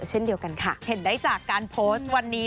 เห็นได้จากการโพสต์วันนี้